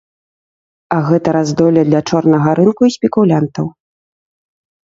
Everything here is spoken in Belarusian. А гэта раздолле для чорнага рынку і спекулянтаў.